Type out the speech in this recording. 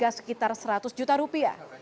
sekitar seratus juta rupiah